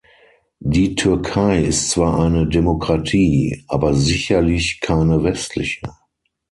Die Türkei ist zwar eine Demokratie, aber sicherlich keine westliche.